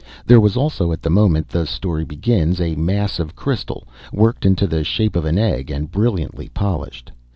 There was also, at the moment the story begins, a mass of crystal, worked into the shape of an egg and brilliantly polished.